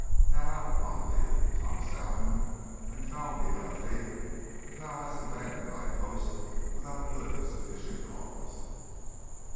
"'Now out upon thee, Thomas Allen, and foul be thy fate if thou hast abandoned thy post without good and sufficient cause.